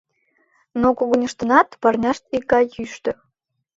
Но когыньыштынат парняшт ий гай йӱштӧ.